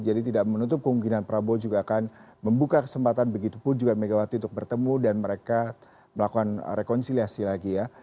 jadi tidak menutup kemungkinan prabowo juga akan membuka kesempatan begitupun juga megawati untuk bertemu dan mereka melakukan rekonsiliasi lagi ya